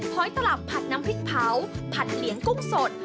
หอยตลับผัดน้ำพริกเผาผัดเหลียงกุ้งสด